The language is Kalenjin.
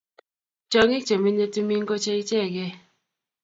tiongik che menyei timin ko che ichegei